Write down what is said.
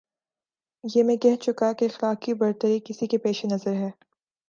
یہ میں کہہ چکا کہ اخلاقی برتری کسی کے پیش نظر ہے۔